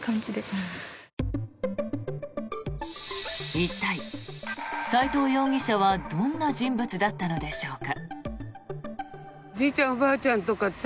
一体、斎藤容疑者はどんな人物だったんでしょうか。